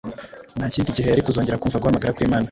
Nta kindi gihe yari kuzongera kumva guhamagara kw’Imana.